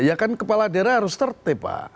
ya kan kepala daerah harus tertib pak